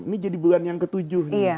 ini jadi bulan yang ketujuh nih